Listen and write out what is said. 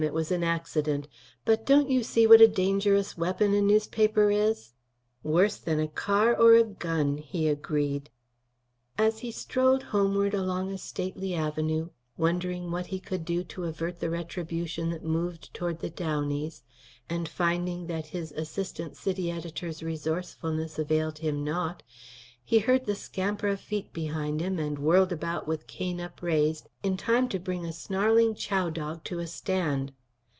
It was an accident. But don't you see what a dangerous weapon a newspaper is?' "Worse than a car or a gun," he agreed. As he strolled homeward along a stately avenue, wondering what he could do to avert the retribution that moved toward the Downeys, and finding that his assistant city editor's resourcefulness availed him naught, he heard the scamper of feet behind him and whirled about with cane upraised in time to bring a snarling chow dog to a stand.